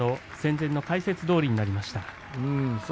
前の解説どおりになりました。